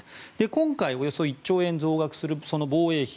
今回、およそ１兆円増額する防衛費。